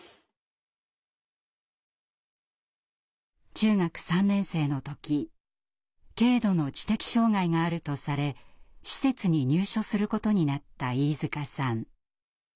中学３年生の時軽度の知的障害があるとされ施設に入所することになった飯塚さん。